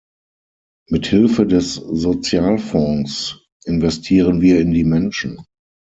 Mit Hilfe des Sozialfonds investieren wir in die Menschen.